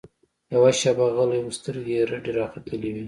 يوه شېبه غلى و سترګې يې رډې راختلې وې.